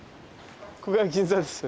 ここが銀座ですよ